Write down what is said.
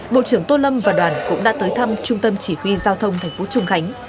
bộ trưởng tô lâm và đoàn cũng đã tới thăm trung tâm chỉ huy giao thông tp trung khánh